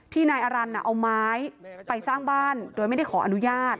นายอรันเอาไม้ไปสร้างบ้านโดยไม่ได้ขออนุญาต